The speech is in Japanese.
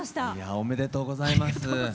おめでとうございます。